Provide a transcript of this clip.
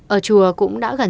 ở chùa cũng đã gần trăm năm